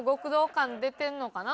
感出てんのかな？